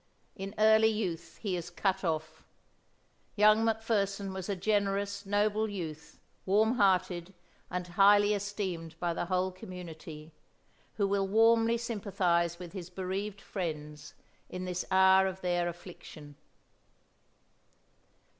In early youth, he is cut off. Young McFerson was a generous, noble youth, warm hearted, and highly esteemed by the whole community, who will warmly sympathize with his bereaved friends in this hour of their affliction.